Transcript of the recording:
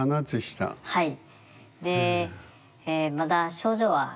はい。